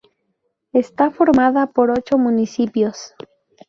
Está formada por ocho municipios.